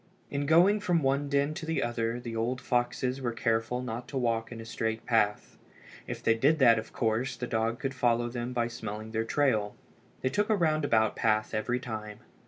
In going from one den to the other the old foxes were careful not to walk in a straight path. If they did that of course the dog could follow them by smelling their trail. They took a roundabout path every time.